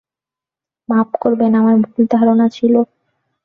মাপ করবেন– আমার ভুল ধারণা ছিল।